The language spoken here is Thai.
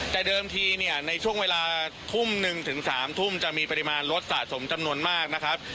แต่เดิมทีเนี่ยในช่วงเวลาทุ่มหนึ่งถึง๓ทุ่มจะมีปริมาณรถสะสมจำนวนมากนะครับ